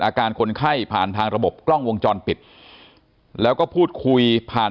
อาการคนไข้ผ่านทางระบบกล้องวงจรปิดแล้วก็พูดคุยผ่าน